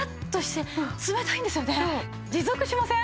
持続しません？